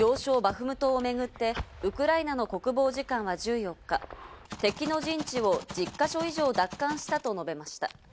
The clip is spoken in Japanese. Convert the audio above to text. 要衝バフムトをめぐってウクライナの国防次官は１４日、敵の陣地を１０か所以上奪還したと述べました。